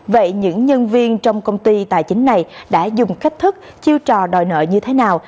vậy những nhân viên trong công ty tài chính này đã dùng cách thức chiêu trò đòi nợ như thế nào